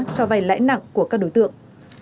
cho vay lãi nặng của các đối tượng